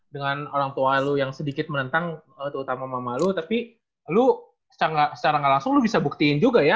dengan orang tua lu yang sedikit menentang terutama mama lu tapi lu secara gak langsung lu bisa buktiin juga ya